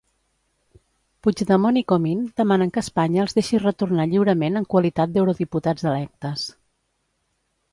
Puigdemont i Comín demanen que Espanya els deixi retornar lliurament en qualitat d'eurodiputats electes.